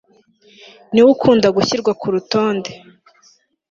niwe ukunda gushyirwa ku rutonde